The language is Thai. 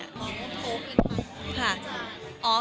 ยังเท่านี้ค่ะ